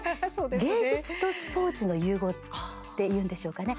芸術とスポーツの融合っていうんでしょうかね。